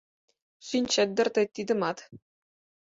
Шинчет дыр тый тидымат?